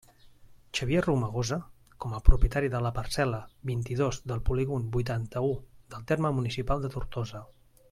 Xavier Romagosa, com a propietari de la parcel·la vint-i-dos del polígon vuitanta-u del terme municipal de Tortosa.